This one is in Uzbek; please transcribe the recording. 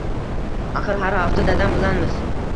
Axir har hafta dadam bilanmiz.